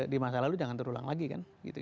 di masa lalu jangan terulang lagi kan